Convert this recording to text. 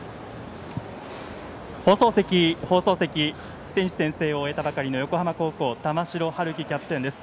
放送席選手宣誓を終えたばかりの横浜高校玉城陽希キャプテンです。